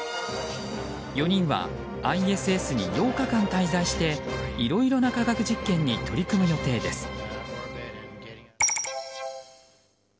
４人はＩＳＳに８日間滞在していろいろな科学実験に取り組む予定です。